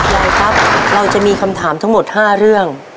ยายครับเราจะมีคำถามทั้งหมด๕เรื่อง